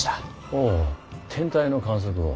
ほう天体の観測を。